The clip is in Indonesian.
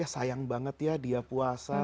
sayang banget ya dia puasa